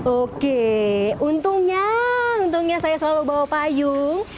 oke untungnya untungnya saya selalu bawa payung